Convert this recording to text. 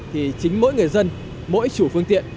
thì chính mỗi người dân mỗi chủ phương tiện